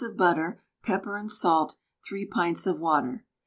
of butter, pepper and salt, 3 pints of water.